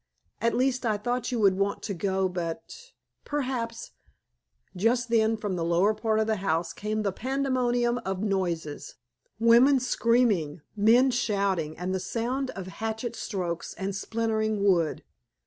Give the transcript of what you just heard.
At least, I thought you would want to go, but perhaps " Just then from the lower part of the house came a pandemonium of noises; women screaming, men shouting, and the sound of hatchet strokes and splintering wood.